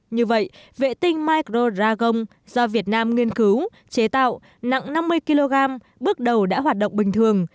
như vậy vệ tinh micro dragon do việt nam nghiên cứu chế tạo nặng năm mươi kg bước đầu đã hoạt động bình thường